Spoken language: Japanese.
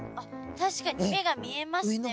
確かに目が見えますね